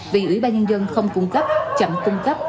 vì ủy ban nhân dân không cung cấp chậm cung cấp